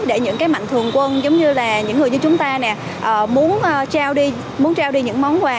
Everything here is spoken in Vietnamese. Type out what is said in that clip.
để những cái mạnh thường quân giống như là những người như chúng ta nè muốn trao đi những món quà